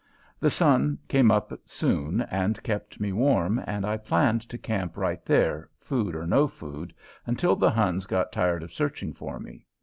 The sun came up soon and kept me warm, and I planned to camp right there, food or no food, until the Huns got tired of searching for me.